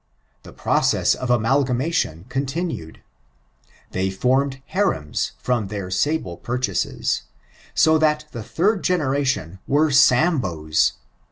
The process of amalgamation continued. They fonned harems from tiieir sable purchases : so that the third generation were Samboes.